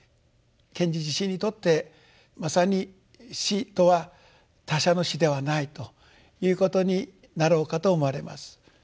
賢治自身にとってまさに死とは他者の死ではないということになろうかと思われます。